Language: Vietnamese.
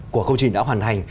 của công trình đã hoàn thành